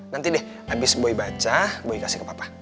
nanti deh abis boy baca boy kasih ke papa